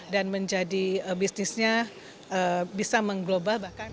menjadi bisnisnya bisa mengglobal bahkan